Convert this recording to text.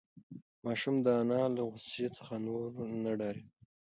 ماشوم د انا له غوسې څخه نور نه ډارېده.